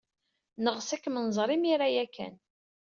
Neɣs ad kem-nẓer imir-a ya kan.